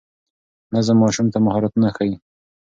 نظم ماشوم ته مهارتونه ښيي.